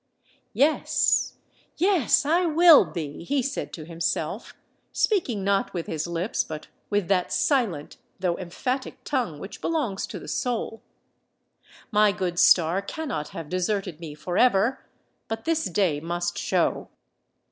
"Yes—yes: I will be!" he said to himself—speaking not with his lips, but with that silent though emphatic tongue which belongs to the soul. "My good star cannot have deserted me for ever! But this day must show!"